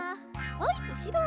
はいうしろ。